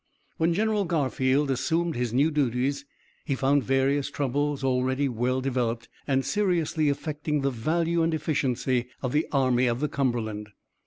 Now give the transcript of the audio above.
When General Garfield assumed his new duties he found various troubles already well developed and seriously affecting the value and efficiency of the Army of the Cumberland.